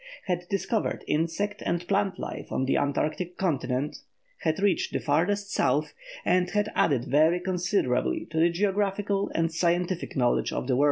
had discovered insect and plant life on the Antarctic continent; had reached the farthest South, and had added very considerably to the geographical and scientific knowledge of the world.